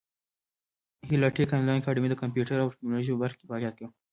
هیله ټېک انلاین اکاډمي د کامپیوټر او ټبکنالوژۍ په برخه کې فعالیت کوي.